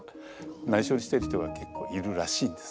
ないしょにしてる人が結構いるらしいんです。